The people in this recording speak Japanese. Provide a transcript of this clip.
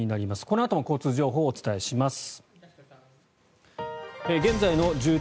このあとも交通情報をお伝えします。